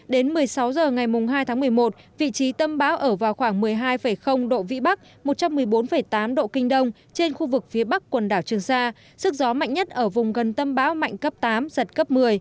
đến một mươi sáu h ngày hai tháng một mươi một vị trí tâm bão ở vào khoảng một mươi hai độ vĩ bắc một trăm một mươi bốn tám độ kinh đông trên khu vực phía bắc quần đảo trường sa sức gió mạnh nhất ở vùng gần tâm bão mạnh cấp tám giật cấp một mươi